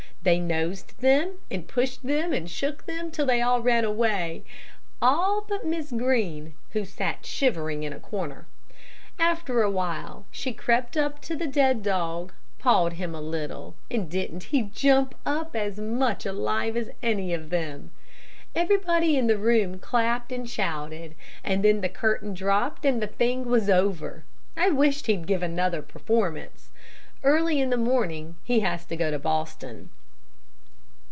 They nosed them, and pushed them, and shook them, till they all ran away, all but Miss Green, who sat shivering in a corner. After a while, she crept up to the dead dog, pawed him a little, and didn't he jump up as much alive as any of them? Everybody in the room clapped and shouted, and then the curtain dropped, and the thing was over. I wish he'd give another performance. Early in the morning he has to go to Boston."